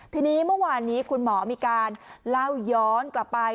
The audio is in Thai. ทีนี้เมื่อวานนี้คุณหมอมีการเล่าย้อนกลับไป